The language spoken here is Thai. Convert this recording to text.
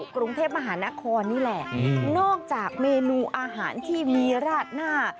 กรุงเทพมหานครนี่แหละนอกจากเมนูอาหารที่มีราดหน้า